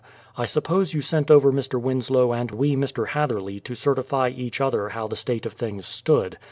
I suppose you sent over Mr. Winslow and we Mr. Hatherley to certify each other how the state of things stood.